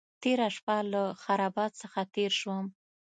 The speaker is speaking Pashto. تېره شپه له خرابات څخه تېر شوم.